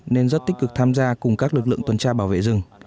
nên rất tích cực tham gia cùng các lực lượng tuần tra bảo vệ rừng